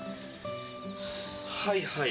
はいはい。